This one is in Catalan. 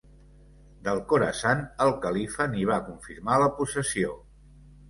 Del Khorasan el califa n'hi va confirmar la possessió.